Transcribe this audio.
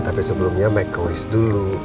tapi sebelumnya baik ke wish dulu